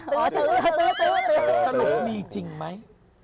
ตื้อตื้อตื้อสรุปมีจริงไหม